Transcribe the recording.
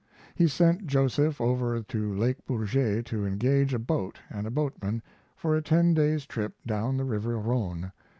He sent Joseph over to Lake Bourget to engage a boat and a boatman for a ten days' trip down the river Rhone.